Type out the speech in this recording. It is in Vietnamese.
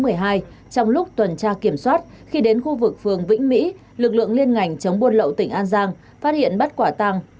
lực lượng liên ngành kiểm tra kiểm soát khi đến khu vực phường vĩnh mỹ lực lượng liên ngành chống buôn lậu tỉnh an giang phát hiện bắt quả tàng